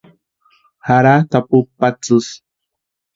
Jaratʼi apupu patsisï.